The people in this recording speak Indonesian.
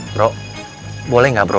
bro boleh gak bro